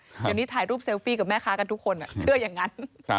เดี๋ยวนี้ถ่ายรูปเซลฟี่กับแม่ค้ากันทุกคนเชื่ออย่างนั้น